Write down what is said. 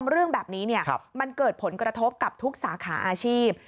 เรื่องแบบนี้มันเกิดผลกระทบกับทุกสาขาอาชีพ